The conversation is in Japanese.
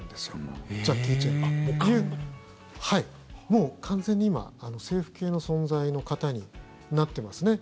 もう完全に今政府系の存在の方になってますね。